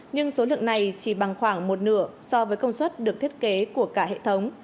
nhưng số lượng này chỉ bằng khoảng một nửa so với công suất được thiết kế của cả hệ thống